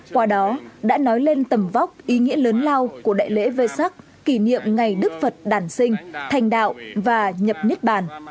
qua đó đã nói lên tầm vóc ý nghĩa lớn lao của đại lễ về sát kỷ niệm ngày đức phật đản sinh thành đạo và nhập nhất bản